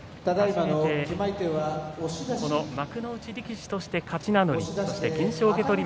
初めて、この幕内力士として勝ち名乗り。